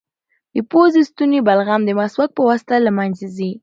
د پوزې او ستوني بلغم د مسواک په واسطه له منځه ځي.